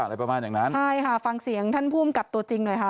อะไรประมาณอย่างนั้นใช่ค่ะฟังเสียงท่านผู้อำกับตัวจริงหน่อยค่ะ